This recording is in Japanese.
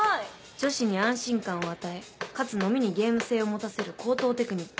女子に安心感を与えかつ飲みにゲーム性を持たせる高等テクニック